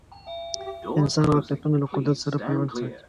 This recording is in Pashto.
انسان واقعیتونه له قدرت سره پیوند ساتي